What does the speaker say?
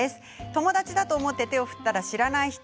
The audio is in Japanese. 友達だと思って手を振ったら知らない人。